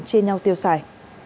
chia nhau tiêu xài